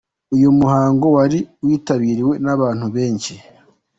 Uyu muhango wari witabiriwe n'abantu benshi.